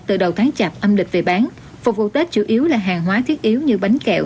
từ đầu tháng chạp âm lịch về bán phục vụ tết chủ yếu là hàng hóa thiết yếu như bánh kẹo